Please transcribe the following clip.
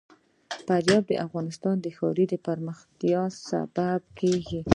فاریاب د افغانستان د ښاري پراختیا سبب کېږي.